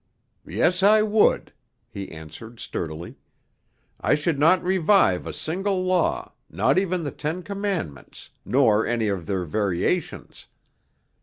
"Yes, I would," he answered sturdily. "I should not revive a single law, not even the Ten Commandments, nor any of their variations.